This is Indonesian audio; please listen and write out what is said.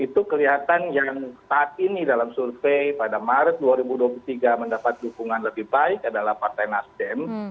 itu kelihatan yang saat ini dalam survei pada maret dua ribu dua puluh tiga mendapat dukungan lebih baik adalah partai nasdem